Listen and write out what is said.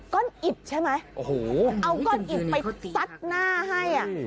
ก้อนอิดใช่ไหมเอาก้อนอิดไปซัดหน้าให้อ่ะ